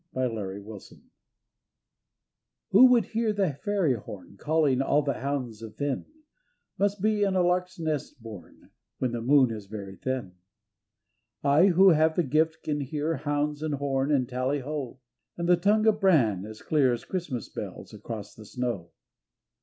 273 A FAIRY HUNT Who would hear the fairy horn CaUing all the hounds of Finn Must be in a lark's nest born When the moon is very thin. I who 'have the gift can hear Hounds and horn and tally ho, And the tongue of Bran as clear As Christmas bells across the snow.